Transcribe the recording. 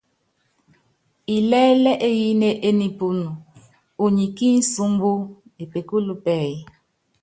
Ilɛ́lɛ́ eyíné e nipun, unyɛ ki nsumbú ne pekul pɛɛy.